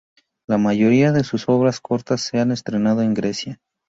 La mayoría de sus obras cortas se han estrenado en Grecia.